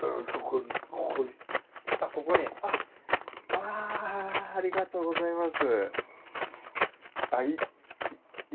ハハハハありがとうございます。